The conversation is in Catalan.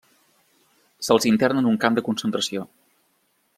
Se'ls interna en un camp de concentració.